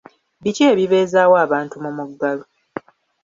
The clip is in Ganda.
Biki ebibeezaawo abantu mu muggalo.